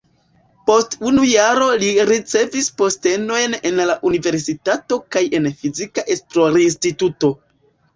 Post unu jaro li ricevis postenojn en la universitato kaj en fizika esplorinstituto.